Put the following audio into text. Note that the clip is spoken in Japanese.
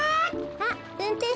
あっうんてんしゅ